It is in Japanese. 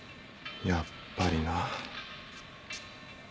やっぱりな。